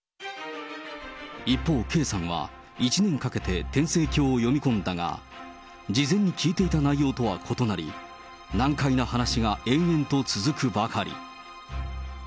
一方Ｋさんは、１年かけて天聖経を読み込んだが、事前に聞いていた内容とは異なり、難解な話が延々と続くばかり。